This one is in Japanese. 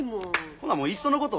ほなもういっそのこと